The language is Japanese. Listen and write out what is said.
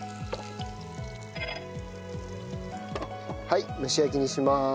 はい蒸し焼きにします。